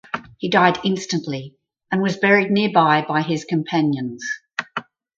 He died instantly and was buried nearby by his companions.